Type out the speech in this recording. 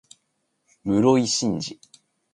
室井慎次